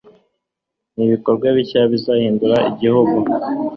n'ibikorwa bishya bizahindura igihugu